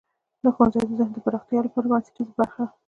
ښوونځی د ذهن د پراختیا لپاره بنسټیزه برخه ده.